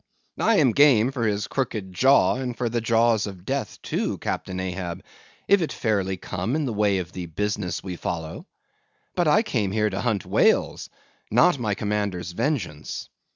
"I am game for his crooked jaw, and for the jaws of Death too, Captain Ahab, if it fairly comes in the way of the business we follow; but I came here to hunt whales, not my commander's vengeance.